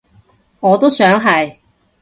我都想係